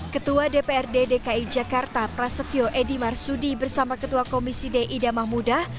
ketua dprd dki jakarta prasetyo edi marsudi bersama ketua komisi d ida mahmudah